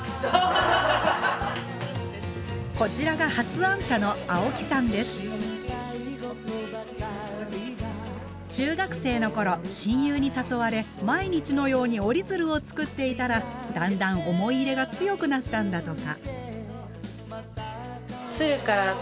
こちらが発案者の中学生の頃親友に誘われ毎日のように折り鶴を作っていたらだんだん思い入れが強くなったんだとか。